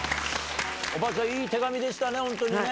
おばあちゃん、いい手紙でしたね、本当にね。